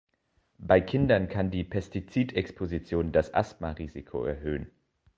Bei Kindern kann die Pestizidexposition das Asthmarisiko erhöhen.